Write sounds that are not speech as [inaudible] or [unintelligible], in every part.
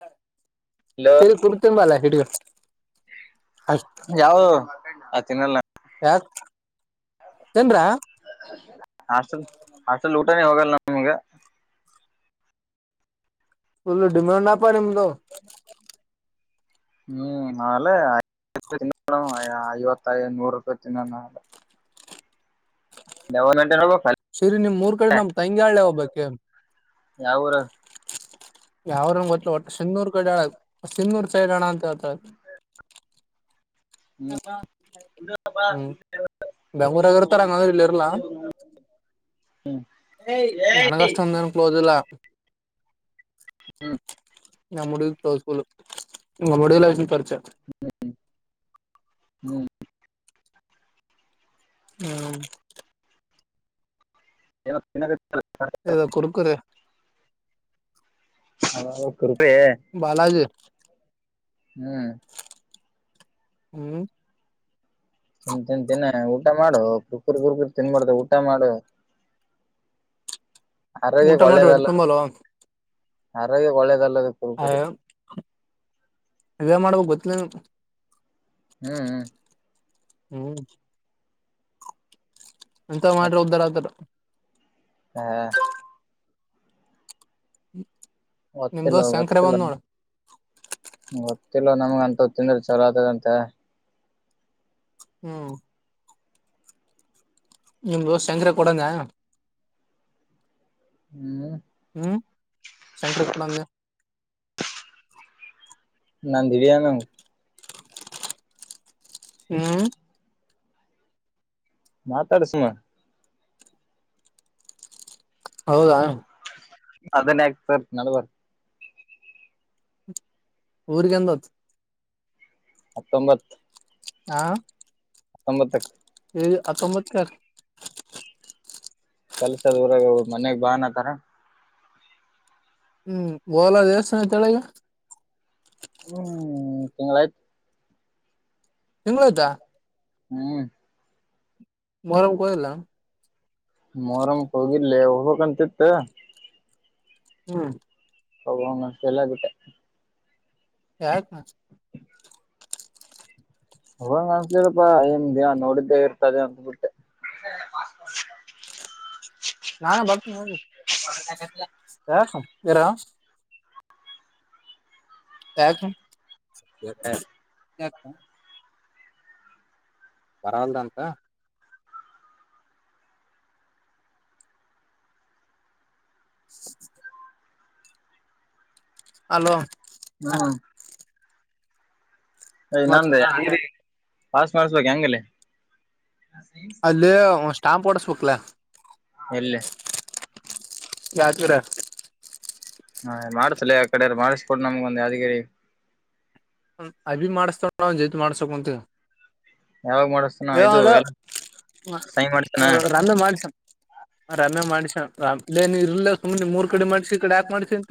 ಹ. ಲೋ.......... ಯಾವು ತಿನ್ನಲ್ಲ. ಯಾಕ ತಿನ್ನರ್. ಆಸಲ್ ಹಾಸ್ಟೇಲ್ ಊಟ ನ ಹೋಗಲ್ಲಾ. ಪುಲ ಡಿಮಾಂಡ ಅಪ್ಪ ನಿಮ್ದ. ಹ್ಮ್ ನೆ ಐಯ ತಿ ಐವತ್ತ ನೂರು ರೂಪಾಯಿ ತಿನ್ನೋಣ ನೆ ದವ ನೆ ನ [unintelligible] ಶಿರಿ ನಿಮ್ ಮೂರ್ ಕಡೆ ನಮ್ ತಂಗ್ಯಾಳೆ ಓಬಕ್ಕಿ. ಯಾ ಊರು. ಯಾವ್ರನ್ ಗೊತ್ತ ಒಟ್ಟು ಶಿನ್ನೂರ್ ಕೈಡ ಅ ಸಿನ್ನೂರ್ ಸೈಡ್ ಅಣ ಅಂತ ಹೇಲತಾಳ. ಹ್ಮ್ ಹ ಹ್ಮ್ ಬೆಂಗಳೂರಗರ್ತಾರ ಹಂಗಂದ್ರೆ ಇಲ್ಲಿ ಇರ್ಲಾ. ಏಯ್ ನನ ಅಷ್ಟೊಂದೇನು ಕ್ಲೋಸ್ ಇಲ್ಲ. ಹ್ಮ್ ನ ಮುಡಿ ಕ್ಲೌಸ್ಫುಲ್ಲು ನಿ ಮುಡಿಲ್ಲ ಪರಿಚ. ಹ್ಮ್ ಹ್ಮ್ ಹ್ಮ ಏನೂ ತಿನ್ನ. ಇದ ಕೊರಕುರೇ. ಹಾ ಕೃಪೇಯೆ. ಬಾಲಾಜಿ. ಹ್ಮ್ ಹ್ಮ್ ತಿನ್ ತಿನ್ ತಿನ ಊಟ ಮಾಡೂ ಕುುರ್ಕುರ್ ಗುರ್ಕುರ್ ತಿನ್ಬಾರ್ದ ಊಟ ಮಾಡು. ಊಟ ಆರೋಗ್ಯಕ್ಕೆ ಮಾಡೋ ಒಟ್ಟಿ ತುಂಬಲ್ಲೂ. ಆರೋಗ್ಯಕ್ ಒಳ್ಳೆದಲ್ಲದು. ಅ ಇದೆ ಮಾಡ್ಬೇಕ ಗೊತ್ತಿಲ್ಲ. ಹ್ಮ್ ಹ್ಮ್ ಹ್ಮ್ ಎಂತ ಮಾಡ್ರ ಉದ್ದಾರ ಆತ. ಹಾ ನಿಮ್ದು ಗೊತ್ತಿಲ್ಲ ಶಂಕರೆ ಗೊತ್ತಿಲ್ಲ ಬಂದ್ ನೋಡ. ಗೊತ್ತಿಲ್ಲ ನಮ್ಗ ಅಂತ ತಿಂದ್ರ ಚಲೋ ಆತದಂತೆ. ಹ್ಮ್ ನಿಮ್ದು ಶಂಕರೆ ಕೊಡೋಂಗ. ಹ್ಮ್ ಹ್ಮ್ ಸಂಕರಪೂಡಂದೆ ನಾಂದಿ ವೆನು ಹ್ಮ್ ಮಾತಾಡ್ಸ [unintelligible] ಹೌದಾ ಅದನ್ನೇಹಕ್ತರ್ ನಳ ಬರ್ ಊರ್ಗೆಂದ ಹೊತ್ ಹತ್ತೊಂಬತ್ ಅಂ ತೊಂಬತ್ತಕ್ ಏ ಹಾತೊಂಬತ್ಕ್ರ್ ಕೆಲ್ಸದ ಊರಾಗ ಮನ್ಯಾಗ ಬಾ ಅನತಾರ ಹ್ಮ್ ಹೊಲ ದೇವಸ್ಥಾನ ತೆಳಗೆ ಹ್ಮ್ ತಿಂಗಳಾಯ್ತ ತಿಂಗಳ್ದಾ ಹ್ಮ್ ಮೋರಂಮ್ ಹೋಗಿಲ್ಲ ಮೊಹರಂ ಹೋಗಿಲ್ಲೆ ಹೋಗ್ಬೇಕಂತಿತ್ತು ಹ್ಮ್ ಹೋಗೋ ಮನ್ಸಿಲ್ಲ ಬಿಟೆ ಯಾಕ್ ಮಚ್ಚ ಹೋಗಂಗಾ ಅನ್ಸಲರಪ್ಪಾ ಏನ ದಿನ ನೋಡಿದ್ದೇ ಇರ್ತದೆ ಅನ್ಸಿಬಿಟ್ ನಾನೇ ಬರ್ತೀನಿ ಇರ [unintelligible] ಕ [inaudible] ಬರಲ್ದಂತ [inaudible] ಅಲೋ ಹ ಯ ಮತ್ ನಮ್ದ ಯಾದ್ಗಿರಿ ಪಾಸ ಮಾಡಸ್ಬೇಕು ಹಂಗಲ್ಲಿ ದೆ ಸ್ಟಾಂಪ್ ಓಡಸ್ಬೇಕಲಾ. ಎಲ್ಲಿ ಯಕರ ಹಾ ಮಾಡ್ಸಲಲ್ಲ ಆ ಕಡೆ ಮಾಡಿಸಕ ಕೊನಮ್ಗ ಒಂದು ಯಾದಗಿರಿ ಅಬ್ ಮಾಡ್ಸ್ತಾಡ ಒ ಜೈತ್ ಮಾಡ್ಸಕ್ಂತ ಯಾವಾಗ ಮಾಡಿಸ್ತಾನ ಇದು ಅಲ್ಲ ಎಲ್ಲ ಸೈನ್ ಮಾಡಿಸ್ತಾನ ನಂದ ಮನುಷನ್ ರಾಮೆ ಮಾಡ್ಸನ್ ಇರ್ಲ್ಲ ಸುಮ್ನೆ ಮೂರ್ ಕಡೆ ಮಾಡ್ಸಿ ಈ ಕಡೆ ಯಾಕ್ ಮಾಡ್ಸ ಅಂತ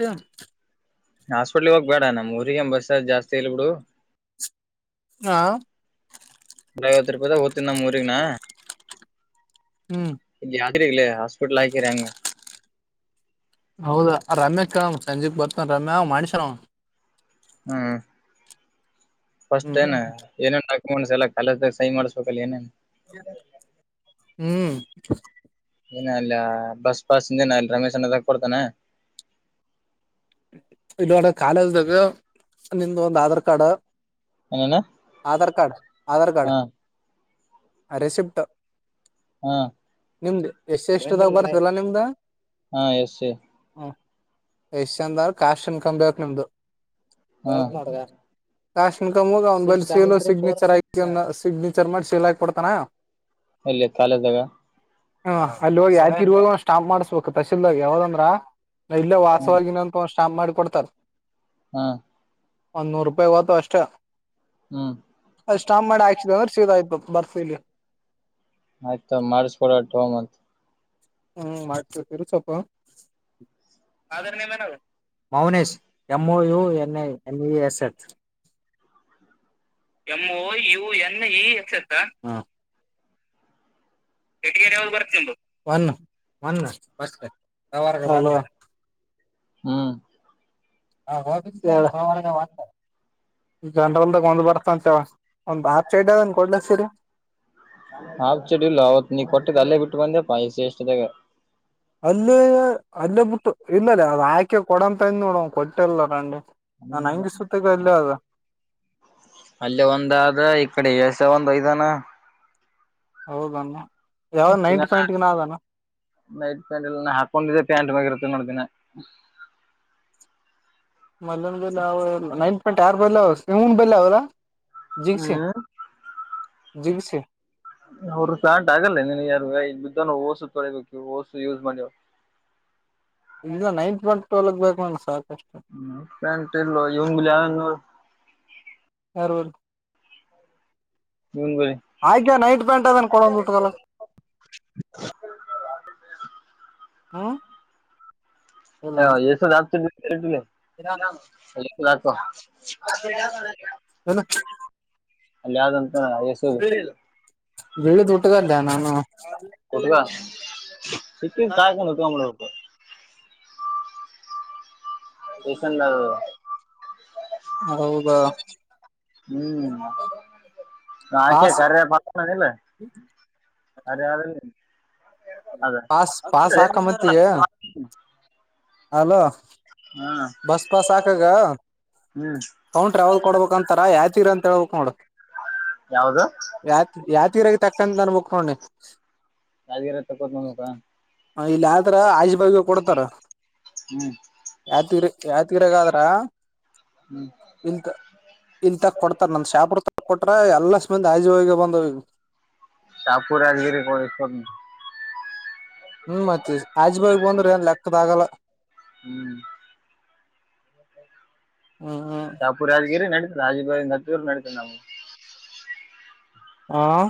ಹಾಸ್ಪೆಟ್ಲ್ ಹೋಗ್ ಬೇಡ ನಮ್ ಊರಿಗೆ ಬಸ್ ಜಾಸ್ತಿ ಇಲ್ ಬಿಡು ಹಾಂ ಐವತ್ತು ರೂಪಾಯಿ ಹೊಯಿತಿನಿ ನಮ್ ಊರಿಗ್ ನಾ ಹ್ಮ್ [unintelligible] ಹಾಸ್ಪಿಟ್ಲ್ ಹಾಕಿರಿ ಹಂಗ ಹೌದಾ ರಮ್ಯಾ ಕ್ ಸಂಜೀಕ ಬರ್ತನ ರಮ್ಯಾ [unintelligible] ಹ್ಮ ಫಸ್ಟ್ ಏನ ಏನೇನ ಡಾಕ್ಯುಮೆಂಟ ಎಲ್ಲ ಕಾಲೇಜದಾಗ ಸಹಿ ಮಾಡ್ಸ್‌ಬೇಕಲ್ಲ ಏನೇನ ಹ್ಮ್ ಏನ ಅಲ್ಲ ಬಸ್ ಪಾಸ್ದೇನ ಅಲ್ಲಿ ರಮೇಶ್ ಅನ್ನ ತ ಕೊಡ್ತಾನ ಇಲ್ಲಿ ಒಡೆ ಕಾಲೇಜ್ದಾಗ ನಿಮ್ದ ಒಂದ ಆಧಾರ್ ಕಾರ್ಡ್ ಏನೇನ ಆಧಾರ ಕಾರ್ಡ್, ಆಧಾರ ಕಾರ್ಡ್ ಹಾ ರೆಸಿಪ್ಟು ಹಾ ನಿಮ್ದ ಎ ಸ್ಸಿ ಎಸ ಟಿ ದಾಗ ಬರ್ತಿಲ್ಲಾ ನಿಮ್ದ ಹಾ ಎಸ್ ಸಿ ದ್ರ ಕಾಸ್ನ್ ಕಬೇಕ್ ನಿಮ್ದು ಹಾ ಹೇಳಕ್ ಮಾಡ್ರ ಕ್ಯಾಶ್ನ್ ಕಗ ಅವ್ ಬಲ್ ಸಿಗ್ನೇಚರ್ ಆಾಕಿ ಸಿಗ್ನೇಚರ್ ಮಾಡಿ ಸೀಲ್ ಹಾಕಿ ಕೊಡ್ತಾನ [inaudible] ಅಲ್ಲಿ ಕಾಲೇಜ್ದಾಗ ಹಾ ಅಲ್ಲಿ ಹೋಗಿ ಯಾಕೆ ಇರುವಾಗ ಒಂದು ಸ್ಟ್ಯಾಂಪ್ ಮಾಡ್ಬೇಕು ತಸೀಲ್ದಾಗ ಯಾವ್ದಂದ್ರ ನ ಇಲ್ಲೇ ಹ್ಮ್ ವಾಸವಾಗಿ ಇನ್ನಂತ ಒಂದು ಸ್ಟ್ಯಾಂಪ್ ಮಾಡಿ ಕೊಡ್ತಾರ್ ಹಾ ಒಂದ್ ನೂರು ರೂಪಾಯಿ ಹೊತವು ಅಷ್ಟೇ ಹ್ಮ್ ಅಲ್ಲಿ ಸ್ಟ್ಯಾಂಪ್ ಮಾಡಿ ಹಾಕ್ಸಿದ್ರೆ [unintelligible] ಸಿಗಯ್ತ ಬರ್ಸ ಇಲಿ ಆಯ್ತು ಮಾಡ್ಸಕೊಡು ತಕೊಂಡು ಬಂದು ಹ್ಮ್ ಮಾಡ್ತಿರ್ತೀ ಇರು ಸ್ವಲ್ಪ Mounesh M O U N I E S H M O U N E S H one one first hello ಹಾಂ ಹಾ ಹೋಗಿ ಕೇಳು ಜನ್ರಲ್ದಾಗ ಒಂದ್ ಬರ್ತ ಅಂತೆವ ಒಂದ್ ಆ ಸೈಡ್ ಅದನ್ ಕೊಡ್ಲತೀರಿ ಹಾಪ್ ಚಡ್ಡಿ ಇಲ್ಲ ಅವತ್ ನೀ ಕೊಟ್ಟಿದ್ದ ಅಲ್ಲೇ ಬಿಟ್ಟು ಬಂದೆ ಪೈಸೆ ಎಷ್ಟದಾಗ ಅಲ್ಲೇ ಅಲ್ಲೇ ಬಿುಟ್ಟು ಇಲ್ಲಲ್ಲ ಅದು ಆಯ್ಕೆ ಕೊಡಂತ ನೋಡ ಕೊಟ್ಟಲ್ಲ ನನ್ಗೆ ನಾನ್ ಹಂಗಿ ಸುತ್ತಗ ಅಲ್ಲೇ ಆದು ಅಲ್ಲಿ ಒಂದಾದ ಈ ಕಡೆ ಏಷ್ಯಾ ಒಂದು ವೈದಾನ ಹೌದಣ ಯಾವ್ದ್ ದಿನ ನೈಟ್ ಪ್ಯಾಟಿಗೆ ಆದೆನು ನೈಟ್ ಪ್ಯಾಂಟ್ ಇಲ್ಲ ಹಾಕೊಂಡಿದ್ದೆ ಪ್ಯಾಂಟ್ ಮ್ಯಾಗ ಇರುತ್ತೇನಿ ನೋಡು ದಿನ ಮಲ್ಲ ಬ ಅವ ನೈನ್ ಪಾಯಿಂಟ್ ಆರ್ ಬಲ್ಲ ಅವ ಇನ್ ಬಲ್ಲ ಅವಲ್ಲ ಜಿಗ್ಸಿ [inaudible] ಹ್ಮ್ ಜಿಬಿಷಿ ಅವರು ಪ್ಯಾಂಟ್ ಆಗಲೇ ನಿನಗ ಓಸು ತೊಳಿಬೇಕು ಲಿಂಗ ನೈಟ್ ಪ್ಯಾಂಟ್ ತಗೋಬೇಕು ನನಗ ಹ್ಮ ಪ್ಯಾಂಟ್ ಇಲ್ಲೋ ಇವನ್ ಬೆಲ್ಲಿ ಆದ ನೋಡು ಹೂರ್ [inaudible] ಮುಂಬೈ ಆಯ್ಕೆ ನೈಟ್ ಪ್ಯಾಂಟು ಆದೇನು ಕೊಡು ಒಂದು ಪುಟ್ಟಗಲಿ ಹಾ ಹ ಯಸು ಆತ ಆತ [inaudible] ಏನು ಅಲ್ಲ ಯಾರು ಬೆಳ ಟ್ಟಗಲ್ಲ ನಾನು ಕಟಗ ಸಕ್ಕಿಮ ಕಾಯಕಾಣ ತುರ ಸನ್ [inaudible] ಹೌದಾ ಹ್ಮ್ ಆಕೆ ಪಾಸ್ ಕರಿ ಪತ್ರಿಲ್ಲ ಅರಿ [inaudible] ಪಾಸ್ ಪಾಸ್ ಹಾಕ ಮತ್ತಿಗೆ ಹಲೋ ಹಾ ಬಸ್ ಪಾಸ್ ಆಕಾಗ ಹ್ಮ್ ಕೌಂಟ್ರ ಯಾವುದು ಕೊಡ್ಬೇಕ ಅಂತಾರ ಯಾದಗಿರಿ ಅಂತ ಹೇಳಬೇಕು ನೋಡು ಯಾವದು ಯಾದಗಿರಾಗ ತಕ್ಕಂತೀನಿ ಅನ್ನಬೇಕು ನೋಡು ನೀ ಗಾದಿರ ತಕ್ಕಕತ್ ನಕಾ [inaudible] ಹ ಇಲ್ಲಿ ಆದ್ರ ಆದ್ರೂ ಬಾಜಿಗೆ ಕೊಡ್ತಾರ ಹ್ಮ್ ಯಾದಗಿರಿ ಯಾದಗಿರೆಗಾದ್ರ ಇಲ್ ಇಲ್ ತ ಕೊಡ್ತಾರ ನಮ್ಮ ಶಹಪುರ್ ತಾಲೂಕು ಕೊಟ್ಟಾರ ಎಲ್ಲ ಮಂದಿ ಕಾಜು ಹೋಗಿ ಬಂದವ ಶಾಪುರ್ ಯಾದಗಿರಿ ಹ್ಮ್ ಮತ್ತೆ ಆಜ್ ಬಾಯಿಗೆ ಹೋಗಿ ಬಂದರೆ ಬಂದ್ರೆ ಲೆಕ್ಕದ ಆಗಲ್ಲ ಹ್ಮ್ ಹ್ಮ ಹ ಪೂರ ರಾಜಗಿರಿ ನಡೀದೆ ರಾಜೀಬೇರಿ ನದೂರು ನಡತದೆ ನಾವು ಹ್ಮ್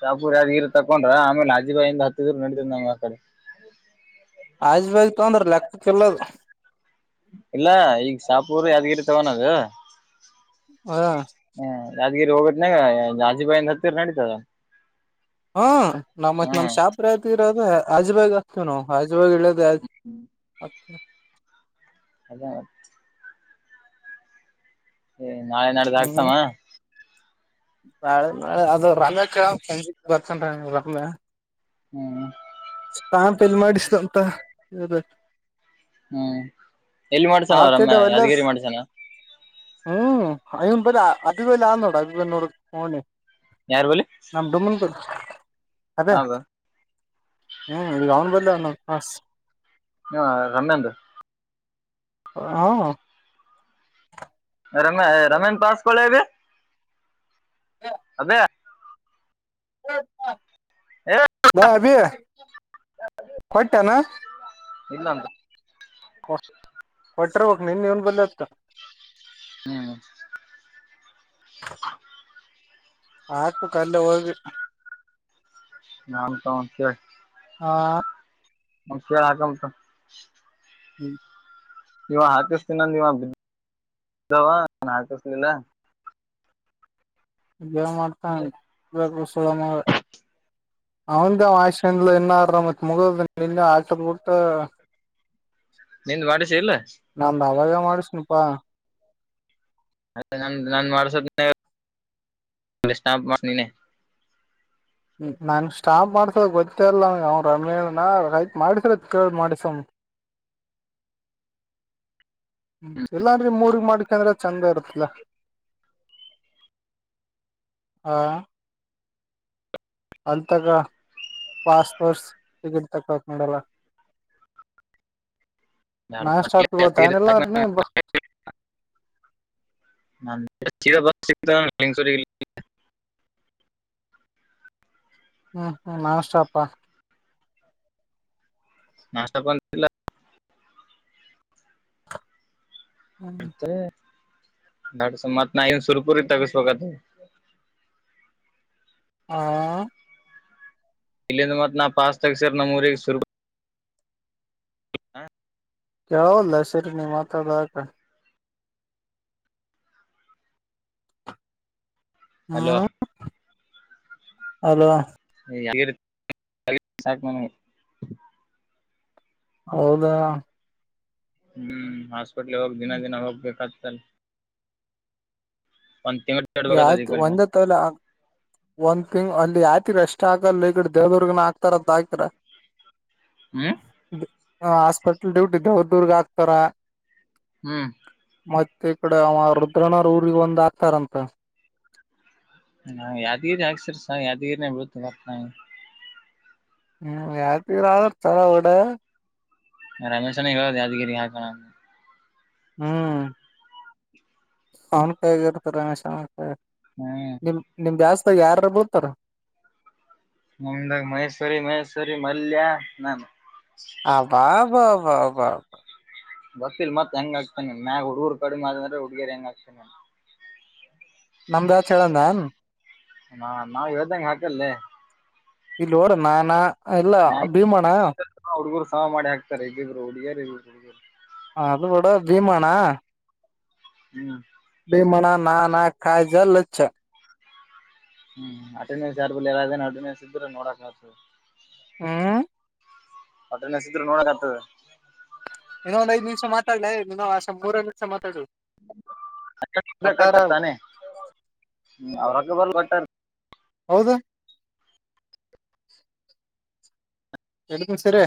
ಶಾಪುರ್ ಯದಗಿರಿ ತಕೊಂಡ್ರ ಆಮಲೆ ಅಜೀಬಾಯಿಂದ ಹತ್ತಿದರು ನಡೀತ್ ನಂಗ್ ಆ ಕಡೆ ಆಜ್ ಬಗ್ ತೊಂದ್ರ ಲೆಕ್ಕಕ್ಕಲ್ಲದು ಇಲ್ಲ ಈಗ ಸಾಪೂರ್ ಯಾದ್ಗಿರಿ ತಗಾನದು ಹಾ ಹ್ಮ ಯಾದ್ಗಿರಿ ಹೋಗದನಾಗ ಜಾಜಿಬಾಯಂದ ಹತ್ತಿರ್ ನಡೀತದ ಹ್ಮ ನಮ್ಮ್ ನಮ್ ಹ್ಮ್ ಶಾಪ್ರ ರದ ಆಜಬಾಗ್ ಆಗ್ತವಿ ನಾವು ಆಜಭಾಗ್ ಇದ್ ಆವಿ ಅದೇ ಏ ನಾಳೆ ನಾಡ್ದ ಹ್ಮ್ ಹಾಕ್ಸಮ್ಮ ನಾಳೆ ನಾಳೆ ಅದ ರಮ್ಯಾ ಕ ಸಂಜಿಕ್ ಬರ್ತನ್ ರಮ್ಯಾ ಹ್ಮ್ ಸ್ಟ್ಯಾಂಪ್ ಎಲ್ಲಿ ಮಾಡಿಸಂತ ಇದ ಹ್ಮ್ ಎಲ್ಲಿ ಮಾಡ್ಸನ ಅವ ಆಫ್ಸೆಟ್ ರಮ್ಯಾ ವಲ್ಲರ್ಸ್ ಯಾದಗಿರಿ ಮಾಡ್ಸನ ಹ್ಮ್ ಅಪಲ್ಲಾ ಅದಗಲ್ಲಾನ್ನೋಡ ಅಭಿನ್ನೋನೇ [unintelligible] ಯಾರ್ ಬಲಿ ನಮ ಡುಮನ್ ಕರ್ ಅದ ಹೌದು ಹ್ಮ್ ಈಗ ಅವ್ನು ಬದಲಿ ಅವ್ನ್ ಪಾಸ್ ಹಾ ರಮ್ಯಾದ್ ಹಾ ರಮ ರಮ್ಯಾನ್ ಪಾಸ್ ಕೊಳ್ಳ ಅಬಿ ಹಾಂ ಅದೇ ಏ ಲೋ ಅಭಿ ಕೊಟ್ಟೆನ ಇಲ್ಲ ಅಂತ ಕೊಟ್ರಿಬಕ್ ನೀನ್ ಏನ ಬಲಿ ಅತ್ತ ಹ್ಮ [inaudible] ಹಾಕ್ಬೇಕು ಅಲ್ಲ ಹೋಗಿ. ನಾಮಕ್ ವಸ್ತೆ ಹಾ [unintelligible] ಹ್ಞೂ ಇವಾ ಹಾಕಿಸ್ತೀನಂದ ಇವಾ [inaudible] ಬಿದ್ದವ ಇವಾ ಹಾಕಿಸ್ಲಿಲ್ಲ ಮಾಡ್ತ ಬ ಸು [unintelligible] ಅವಂದ ಅವ ಆಸ್ಂಡ್ಲ್ ಇನ್ನಾರತ್ ಮುಗದ ಇನ್ನ ಆಚಲ್ಬಟ್ಟ ನಿಂದ ಮಾಡಿಸಿ ಇಲ್ಲ. ನಂದ್ ಅವಾಗೆ ಮಾಡ್ಸಿನಪಾ ಅದೇ ನಾನು ನಮ್ದ್ [unintelligible] ಮಾಡ್ಸದಾಪ್ ಸ್ಟ್ಯಾಂಪ್ ಮಾಡ ನೀನೇ ನನ್ ಸ್ಟ್ಯಾಂಪ್ ಮಾಡ್ಸದ ಗೊತ್ತೇಲ್ಲ ಅವ ಅವ್ರ ರಮೇನ್ ಅಣ್ಣ ಆಯ್ತ್ ಮಾಡಿಸ್ರತ್ ಕೇಳ ಮಾಡಿಸ [unintelligible] ಹ್ಮ ಇಲ್ಲಾನ್ ರೀ ಮೂರ್ಗ್ ಮಾಡಕ್ ಅಂದ್ರೆ ಚಂದ ಇರತ್ತಲ್ಲಾ. ಹಾ ಅಲ್ ತಗ ಪಾಸ್ಪೋರ್ಟ್ಸ್ ಟಿಕೆಟ್ ತಕಲಕ್ ನಡಲ್ಲ ನಾನಷ್ಟಾಪ್ ಗತಾನಲ್ಲ [unintelligible] ನೀ ಬ ಸಿ [unintelligible] ಹ್ಮ್ ಹ್ಮ್ ನಾನ್ ಸ್ಟಾಪ್ ನಾನ್ ಸ್ಟಾಪ್ ಬಂದಿಲ್ಲ. ಹ್ಮ್ ಬಡ್ಸ ಮತ್ ನ ಇನ್ ಸುರಪುರ ಗೆ ತಗಸ್ಬೇಕತ್ ಹಾ ಇಲ್ಲಿಂದ ಮತ್ ನಾ ಪಾಸ್ ತಗ್ಸರ ನಮ್ಮೂರಿಗೆ ಸುರ ಯಾವದಲ [unintelligible] ಸರಿ ನೀ ಮಾತಾಡಕ ಹಲೋ ಹ್ಮ್ ಹಲೋ [inaudible] ಸಾಕ್ ನಮ್ಗ ಹೌದಾ ಹ್ಮ್ ಹಾಸ್ಪಿಟ್ಲ್ ಹೋಗಿ ದಿನ ದಿನ ಹೋಗ್ಬೇಕತ್ತಲ್ಲ. [unintelligible] ಈ ಆಯ್ತು ಕಡೆ ಮತ್ತ್. ಒಂದತ್ವಲ್ಲ ಒಂದ್ ತಿಂಗಳ್ ಅಲ್ಲಿ [unintelligible] ಎಷ್ಟ್ ಆಗಲ್ಲ ಈ ಕಡೆ ದೇವ್ದುರ್ಗನ ಹಕ್ತಾರಂತ ಹ ಆಕ್ತಿರ. [inaudible] ಹ್ಮ್ ಹಾಸ್ಪಿಟಲ್ ಡ್ಯೂಟಿ ದವ ದೂರ್ಗ್ ಹಾಕ್ತಾರ. ಹ್ಮ್ ಮತ್ತೆ ಈ ಕಡ ಅವ ರುದ್ರನ್ರ ಊ್ರ ಒಂದ್ ಆಗ್ತಾರಂತ ನಾ ಯಾದಗಿರಿ ಹಾಕ್ಸರಿ ಸ ಯಾದ್ಗಿರಿನ ಬಿತು ಬರ್ತಿ ಹ್ಮ ಯತಿ ಆತಾರ ಡ ರಮೇಶನ ಹೇಳೋದು ಯಾದಗಿರಿ ಹಾಕಣ ಹ್ಮ್ ನ್ ಕಗತ ನಶ [unintelligible] ಹ್ಮ್ ನಿಮ್ ಜಾಸ್ತಿ ಯಾರು ಬೊತ್ತಾರ ನಮ್ದಾಗ ಮೈಸೂರಿ ಮೈಸೂರಿ ಮಲ್ಯ ನಾನು ಅಬಬಬಬಾ ಬಸ್ ಇಲ್ ಮತ್ತತ್ ಹೆಂಗ ಆಗ್ತಾನ ಮ್ಯಾಗ ಹುಡುಗರು ಕಡಿಮೆ ಆದಂದ್ರೆ ಹುಡುಗಿ ಹೆಂಗ ಆಗ್ತಾನ ನಮ್ ಬ್ಯಾಚ್ ಹೇಳನ್ ಹಾ ನಾವ ಇ್ದಂ ಹಾಕಲ್ಲೆ ಇಲ್ಲೋರ ನಾನಾ ನ ಹುಡ್ಗರು ಸಹ ಮಾಡಿ ಹಾಕ್ತಾರೆ ಹಗಿದ್ರರು ಹುಡುಗಿಯರುರು ಹುಗ ಹ ಅದು ಬಿಡ ಭೀಮಣಾ [unintelligible] ಹ್ಮ್ [unintelligible] ಬಿಮಣ ನಾ ನಾ ಕಾಯ ಜಲ್ಲಜಚ್ಚ [unintelligible] ಹ್ಮ್ ಅಟೆನ್ಸ್ ಯಾರ್ ಎಲ್ಲ ಅಟೆನ್ಸ್ ಇದ್ರೆ ನೋಡಕ್ [unintelligible] ಹ್ಮ್ ಒಟ್ಟ ನಸಿದ್ರು ನೋಡದತ [unintelligible] ಇನ್ನೊ ಒಂದ ಐಧ್ ನಿಮ್ಷಾ ಮಾತಾಡ್ಲೇ ಇನ್ನೋ ಅಸ ಮೂರ ನಿಮಿಷ ಮಾತಾಡು [unintelligible] [unintelligible] [inaudible] ಕಟ್ಟಾರ ಕಟ್ಟ ತಾನೆ ಅವ್ರಕ್ಕ ಬಲ್ ಕಟ್ಟರ್ ಹೌದಾ ಎಲ್ಕುಸರಿ